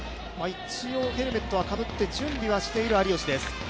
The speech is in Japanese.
一応ヘルメットはかぶって、準備はしている有吉です。